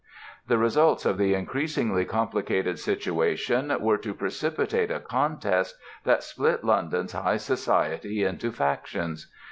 The results of the increasingly complicated situation were to precipitate a contest that split London's high society into factions.